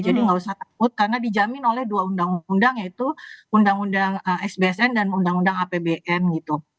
jadi nggak usah takut karena dijamin oleh dua undang undang yaitu undang undang sbsn dan undang undang apbn gitu